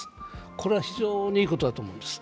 これは非常にいいことだと思うんです。